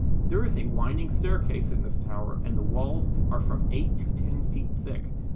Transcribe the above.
There is a winding staircase in this tower, and the walls are from eight to ten feet thick.